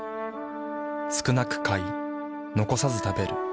少なく買い残さず食べる。